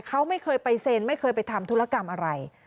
เขาไม่เคยไปเซ็นไม่เคยไปทำธุรกรรมอะไร